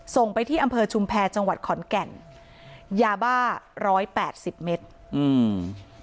ส่งไปที่อำเภอชุมแพรจังหวัดขอนแก่นยาบ้าร้อยแปดสิบเมตรอืม